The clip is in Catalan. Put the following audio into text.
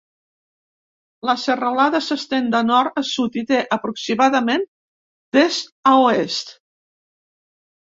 La serralada s'estén de nord a sud i té aproximadament d'est a oest.